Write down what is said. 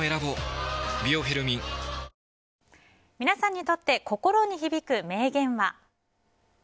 皆さんにとって心に響く名言は？